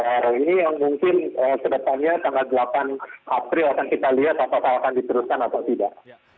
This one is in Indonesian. jadi ini yang mungkin setelah tanggal delapan april akan kita lihat apakah akan diteruskan atau tidak